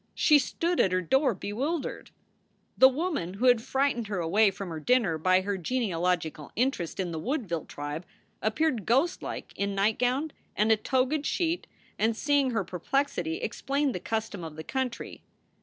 She stood at her door bewildered. The woman who had frightened her away from her dinner by her genealogical interest in the Woodville tribe appeared ghostlike in nightgown and a toga d sheet and, seeing her perplexity, explained the custom of the country.